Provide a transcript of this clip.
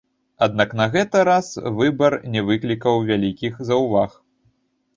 Аднак на гэта раз выбар не выклікаў вялікіх заўваг.